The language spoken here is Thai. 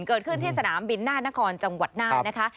เกิดขึ้นที่สนามบินหน้านครจังหวัดน่านนะคะ